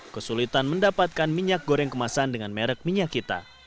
kesulitan mendapatkan minyak goreng kemasan dengan merek minyak kita